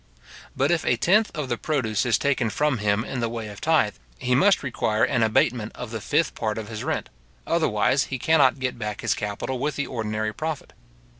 But if a tenth of the produce is taken from him in the way of tythe, he must require an abatement of the fifth part of his rent, otherwise he cannot get back his capital with the ordinary profit.